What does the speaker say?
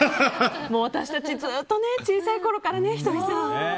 私たちずっと小さいころからね仁美さん。